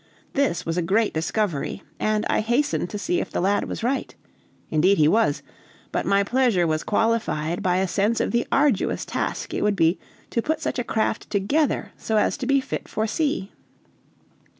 This was a great discovery, and I hastened to see if the lad was right. Indeed he was, but my pleasure was qualified by a sense of the arduous task it would be to put such a craft together so as to be fit for sea.